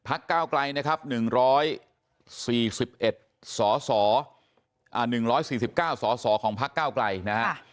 พักก้าวกลัยนะครับ๑๔๙สอสอของพักก้าวกลัยนะฮะ